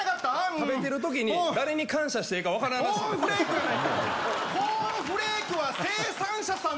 食べてるときに誰に感謝していいか分からんらしいねん。